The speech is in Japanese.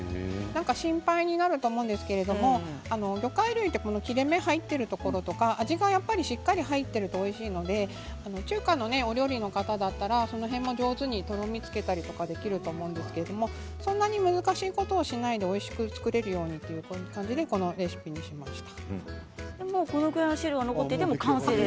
心配になると思うんですけれど魚介類は切れ目が入っているところとか味がしっかり入っているとおいしいので中華料理の方なら、その辺上手にとろみをつけたりできると思うんですけどそんなに難しいことでをしないでおいしく作れるようにということでこのレシピにしました。